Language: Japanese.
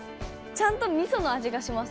ちゃんと味噌の味がします。